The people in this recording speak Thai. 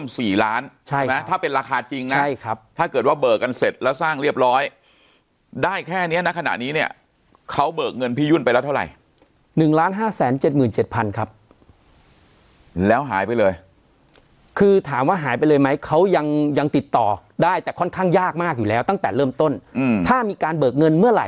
สี่ล้านใช่ไหมถ้าเป็นราคาจริงนะใช่ครับถ้าเกิดว่าเบิกกันเสร็จแล้วสร้างเรียบร้อยได้แค่เนี้ยณขณะนี้เนี่ยเขาเบิกเงินพี่ยุ่นไปแล้วเท่าไหร่หนึ่งล้านห้าแสนเจ็ดหมื่นเจ็ดพันครับแล้วหายไปเลยคือถามว่าหายไปเลยไหมเขายังยังติดต่อได้แต่ค่อนข้างยากมากอยู่แล้วตั้งแต่เริ่มต้นอืมถ้ามีการเบิกเงินเมื่อไห